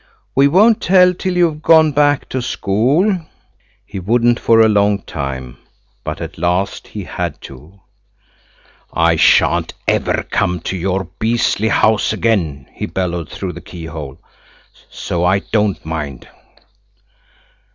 We won't tell till you've gone back to school." He wouldn't for a long time, but at last he had to. "I shan't ever come to your beastly house again," he bellowed through the keyhole, "so I don't mind."